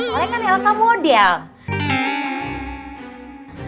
soalnya kan elsa model